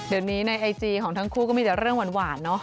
เดี๋ยวนี้ในไอจีของทั้งคู่ก็มีแต่เรื่องหวานเนอะ